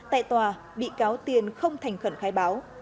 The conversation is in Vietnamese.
tại tòa bị cáo tiền không thành khẩn khai báo